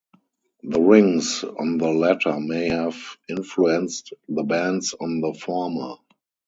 The rings on the latter may have influenced the bands on the former.